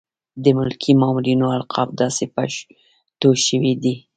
د ملکي مامورینو القاب داسې پښتو شوي دي.